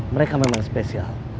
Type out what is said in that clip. mereka memang spesial